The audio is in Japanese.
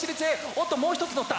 おっともう１つのった！